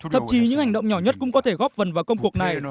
thậm chí những hành động nhỏ nhất cũng có thể góp vần vào công cuộc này